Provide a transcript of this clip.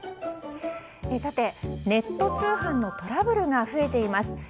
ネット通販のトラブルが増えています。